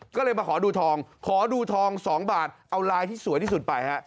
ก็เลยมาขอดูทองขอดูทอง๒บาทเอาลายที่สวยที่สุดไปฮะ